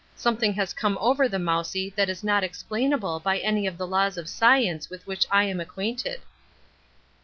Something has come over the mousie that is not explainable by any of the laws of science with which I am acquainted."